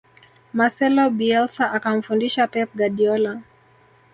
marcelo bielsa akamfundisha pep guardiola